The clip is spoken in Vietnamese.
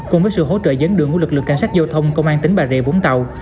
cùng với sự hỗ trợ dẫn đường của lực lượng cảnh sát giao thông công an tỉnh bà rịa vũng tàu